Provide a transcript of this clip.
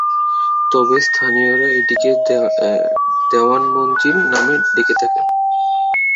তবে স্থানীয়রা এটিকে দেওয়ান মঞ্জিল নামে ডেকে থাকেন।